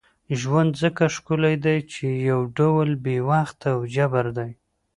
ژوند ځکه ښکلی دی چې یو ډول بې وخته او جبر دی.